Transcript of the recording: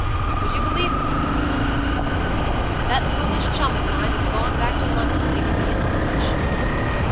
"Would you believe it, Sir Michael?" he said. "That foolish chum of mine has gone back to London leaving me in the lurch."